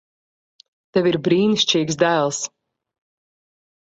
Tev ir brīnišķīgs dēls.